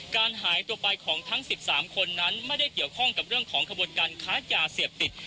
การหายตัวไปของทั้ง๑๓คนนั้นไม่ได้เกี่ยวข้องกับเรื่องของขบวนการค้ายาเสพติด